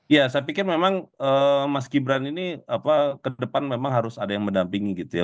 ya saya pikir memang mas gibran ini ke depan memang harus ada yang mendampingi gitu ya